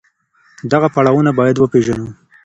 دغه پړاوونه بايد وپېژنو.